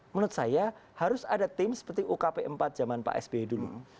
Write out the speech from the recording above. menurut saya harus ada tim seperti ukp empat zaman pak sby dulu